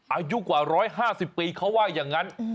อายุกว่า๑๕๐ปีเขาว่าอย่างนั้น